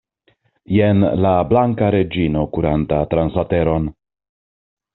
Jen la Blanka Reĝino kuranta trans la teron!